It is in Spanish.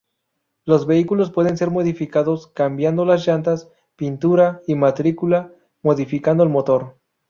Los vehículos pueden ser modificados cambiando las llantas, pintura y matrícula, modificando el motor.